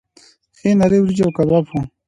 ښې نرۍ وریجې او کباب وو.